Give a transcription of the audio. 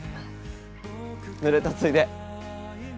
ぬれたついで。